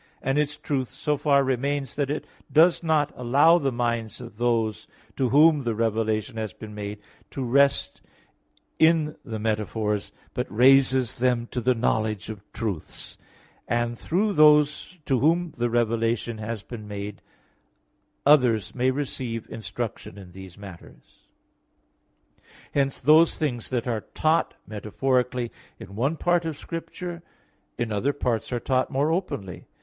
i); and its truth so far remains that it does not allow the minds of those to whom the revelation has been made, to rest in the metaphors, but raises them to the knowledge of truths; and through those to whom the revelation has been made others also may receive instruction in these matters. Hence those things that are taught metaphorically in one part of Scripture, in other parts are taught more openly.